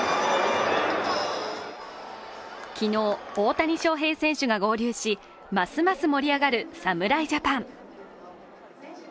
昨日、大谷翔平選手が合流し、ますます盛り上がる侍ジャパン。